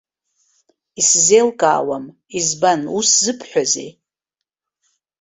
Исзеилкаауам, избан, ус зыбҳәазеи?